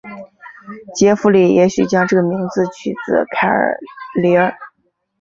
杰佛里也许将这个名字取自凯尔李尔。